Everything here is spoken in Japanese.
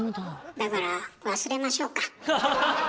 だから忘れましょうか。